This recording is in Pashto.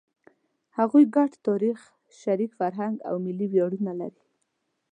هغوی ګډ تاریخ، شریک فرهنګ او ملي ویاړونه لري.